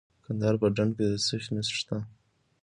د کندهار په ډنډ کې د څه شي نښې دي؟